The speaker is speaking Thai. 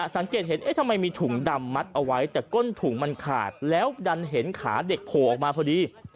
สังเกตเห็นเอ๊ะทำไมมีถุงดำมัดเอาไว้แต่ก้นถุงมันขาดแล้วดันเห็นขาเด็กโผล่ออกมาพอดี